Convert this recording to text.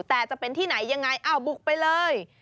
แต่จะเป็นที่ไหนยังไงอ้าวบุกไปเลย